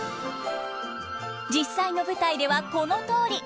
実際の舞台ではこのとおり。